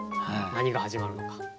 何が始まるのか。